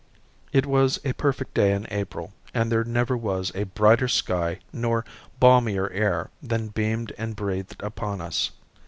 It was a perfect day in April and there never was a brighter sky nor balmier air than beamed and breathed upon us.